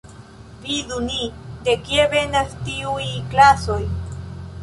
Vidu ni, de kie venas tiuj klasoj.